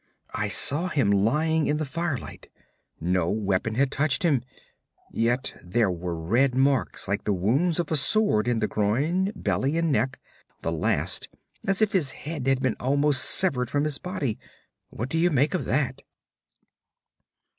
'I saw him lying in the firelight. No weapon had touched him. Yet there were red marks like the wounds of a sword in the groin, belly and neck the last as if his head had been almost severed from his body. What do you make of that?'